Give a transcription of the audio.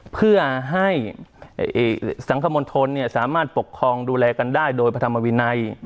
เพื่อให้สังคมณฑลสามารถปกครองดูแลกันได้โดยพระธรรมวินัย